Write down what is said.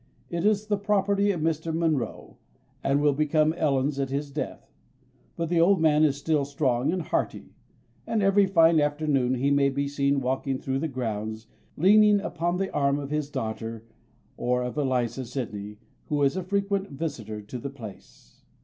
It is the property of Mr. Monroe, and will become Ellen's at his death: but the old man is still strong and hearty; and every fine afternoon he may be seen walking through the grounds, leaning upon the arm of his daughter or of Eliza Sydney, who is a frequent visitor at the Place.